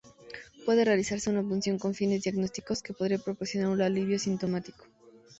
Puede realizarse una punción con fines diagnósticos que podría proporcionar un alivio sintomático.